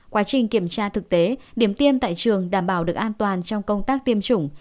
quá trình kiểm tra thực tế điểm tiêm tại trường đảm bảo được an toàn trong công tác tiêm chủng